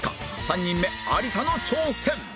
３人目有田の挑戦